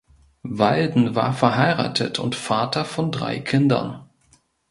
Walden war verheiratet und Vater von drei Kindern.